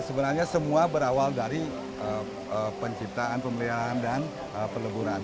sebenarnya semua berawal dari penciptaan pembelian dan peleburan